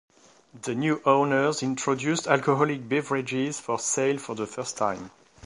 The new owners introduced alcoholic beverages for sale for the first time.